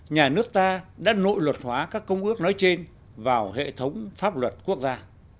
nhà nước ta đã nội luật hóa các công ước nói trên vào hệ thống pháp luật quốc gia